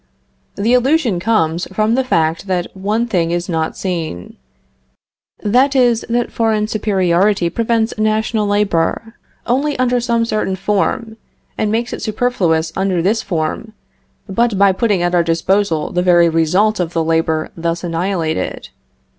The illusion comes from the fact that one thing is not seen. That is, that foreign superiority prevents national labor, only under some certain form, and makes it superfluous under this form, but by putting at our disposal the very result of the labor thus annihilated.